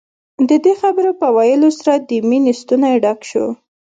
د دې خبرو په ويلو سره د مينې ستونی ډک شو.